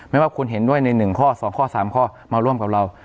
ไม่ว่าคุณเห็นด้วยใน๑ข้อ๒ข้อ๓ข้อมาร่วมกับเรา